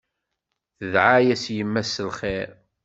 Tedɛa-yas yemma-s s lxir.